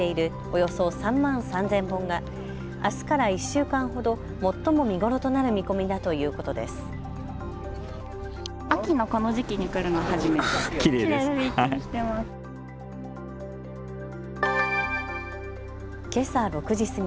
およそ３万３０００本があすから１週間ほど最も見頃となる見込みだということです。